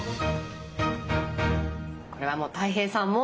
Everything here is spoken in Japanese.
これはもうたい平さんも。